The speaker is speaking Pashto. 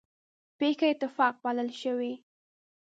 پېښه اتفاق بللی شو.